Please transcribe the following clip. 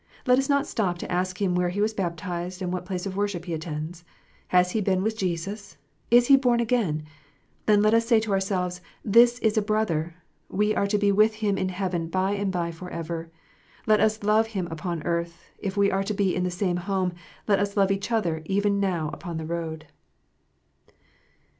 Let us not stop to ask him where he was baptized, and what place of worship he attends ? Has he been with Jesus 1 Is he born again ? Then let us say to ourselves, "This is a brother. We are to be with him in heaven by and by for ever. Let us love him upon earth. If we are to be in the same home, let us love each other even now upon the road."